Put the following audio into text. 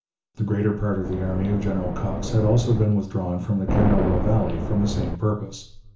The greater part of the army of General Cox had also been withdrawn from the Kanawha Valley for the same purpose.